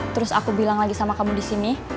terus aku bilang lagi sama kamu disini